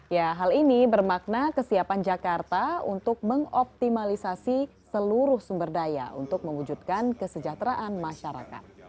ya hal ini bermakna kesiapan jakarta untuk mengoptimalisasi seluruh sumber daya untuk mewujudkan kesejahteraan masyarakat